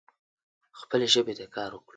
خپلې ژبې ته کار وکړئ